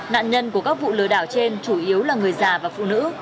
nạn nhân của các vụ lừa đảo trên chủ yếu là người già và phụ nữ